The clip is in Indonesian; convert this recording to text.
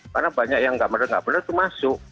karena banyak yang enggak benar benar itu masuk